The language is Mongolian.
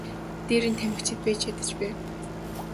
Дээр нь тамхичид байж ядаж байв.